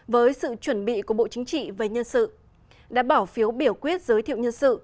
với sự chuẩn bị của bộ chính trị về nhân sự đã bỏ phiếu biểu quyết giới thiệu nhân sự